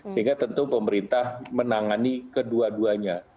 sehingga tentu pemerintah menangani kedua duanya